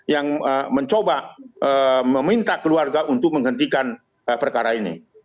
yang mencoba meminta keluarga untuk menghentikan perkara ini